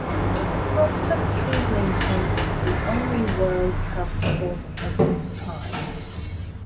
Cross-country racing was the only World Cup sport at this time.